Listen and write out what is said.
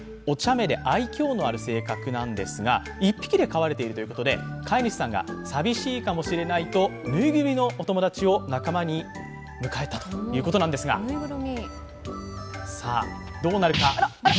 お茶目で愛きょうのある性格なんですが、１匹で飼われているということで、飼い主さんが寂しいかもしれないとぬいぐるみのお友達を仲間に迎えたということですが、さあ、どうなるか。